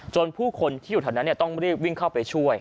จนผู้คนที่อยู่ทางนั้นต้องวิ่งเข้าไปช่วย